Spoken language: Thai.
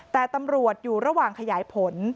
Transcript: แต่ตำรวจอยู่ระหว่างขยายผล